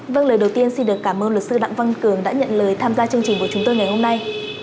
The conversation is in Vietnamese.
vâng lời đầu tiên xin được cảm ơn luật sư đặng văn cường đã nhận lời tham gia chương trình của chúng tôi ngày hôm nay